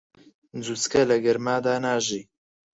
جوچکە لە گەرمادا ناژی.